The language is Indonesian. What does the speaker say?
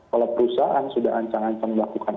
kalau perusahaan sudah ancang ancang melakukan